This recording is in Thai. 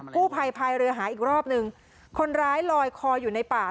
กู้ภัยพายเรือหาอีกรอบนึงคนร้ายลอยคออยู่ในป่า